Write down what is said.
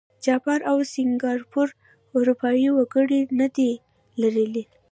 جاپان او سینګاپور اروپايي وګړي نه دي لرلي.